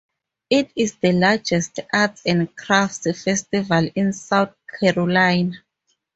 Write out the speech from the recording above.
It is the largest arts and crafts festival in South Carolina.